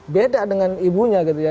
beda dengan ibunya gitu ya